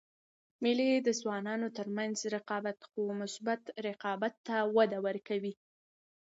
مېلې د ځوانانو تر منځ رقابت؛ خو مثبت رقابت ته وده ورکوي.